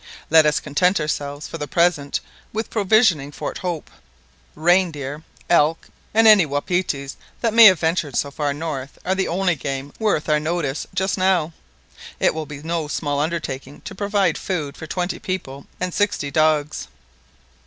Let us content ourselves for the present with provisioning Fort Hope. Reindeer, elk, and any wapitis that may have ventured so far north are the only game worth our notice just now; it will be no small undertaking to provide food for twenty people and sixty dogs."